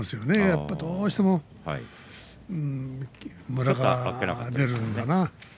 やっぱり、どうしてもムラが出るんだな。